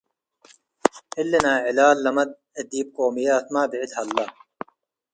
እሊ ናይ ዕላል ለመድ ዲብ ቆምያትመ ብዕድ ሀለ ።